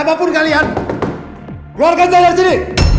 ya udah aku sarapan sendiri